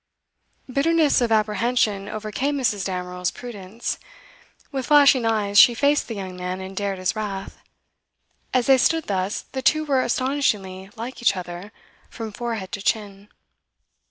Bitterness of apprehension overcame Mrs. Damerel's prudence. With flashing eyes, she faced the young man and dared his wrath. As they stood thus, the two were astonishingly like each other, from forehead to chin.